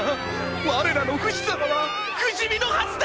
我らのフシ様は不死身のはずだ！！